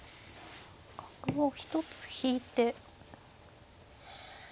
角を一つ引いて。